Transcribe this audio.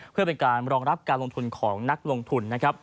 เพื่อเป็นการรองรับการลงทุนของนักลงทุนนะครับ